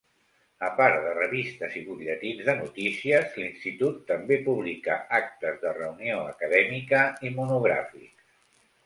A part de revistes i butlletins de notícies, l'institut també publica actes de reunió acadèmica i monogràfics.